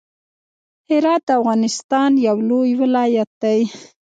هرات د افغانستان يو لوی ولايت دی.